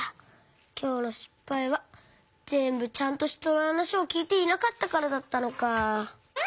きょうのしっぱいはぜんぶちゃんとひとのはなしをきいていなかったからだったのか。